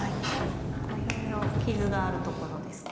いろいろ傷があるところですか。